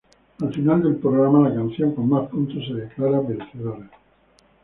Al final del programa, la canción con más puntos se declara vencedora.